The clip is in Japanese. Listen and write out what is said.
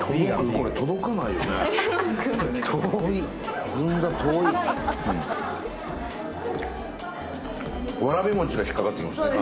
これ届かないよねわらび餅が引っ掛かってきますね